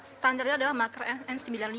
standarnya adalah makar n sembilan puluh lima